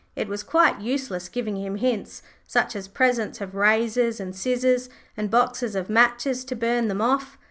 It was quite useless giving him hints, such as presents of razors, and scissors, and boxes of matches to burn them off.